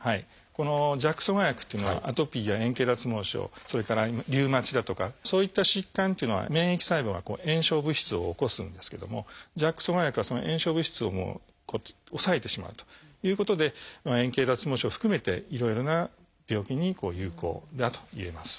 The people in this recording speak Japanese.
このＪＡＫ阻害薬っていうのはアトピーや円形脱毛症それからリウマチだとかそういった疾患っていうのは免疫細胞が炎症物質を起こすんですけどもＪＡＫ阻害薬はその炎症物質を抑えてしまうということで円形脱毛症含めていろいろな病気に有効だといえます。